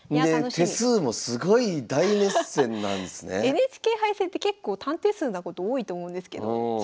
ＮＨＫ杯戦って結構短手数なこと多いと思うんですけどやばい戦い。